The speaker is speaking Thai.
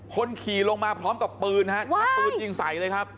คนขี่ลงมาพร้อมกับปืนฮะชักปืนยิงใส่เลยครับ